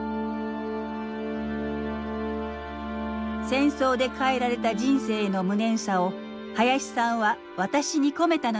戦争で変えられた人生への無念さを林さんは私に込めたのです。